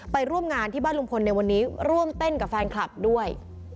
ไปร่วมงานที่บ้านลุงพลในวันนี้ร่วมเต้นกับแฟนคลับด้วย